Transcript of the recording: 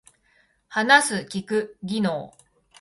話す聞く技能